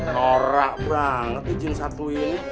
norak banget izin satu ini